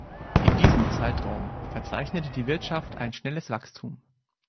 In diesem Zeitraum verzeichnete die Wirtschaft ein schnelles Wachstum.